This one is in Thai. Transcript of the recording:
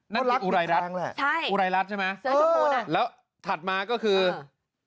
นั่นอุไรรัฐอุไรรัฐใช่ไหมแล้วถัดมาก็คืออื้อ